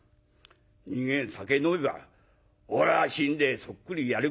人間酒飲めば『おらが身代そっくりやる』